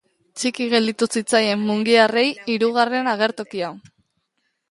Txiki gelditu zitzaien mungiarrei hirugarren agertokia.